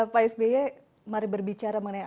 pak sby mari berbicara mengenai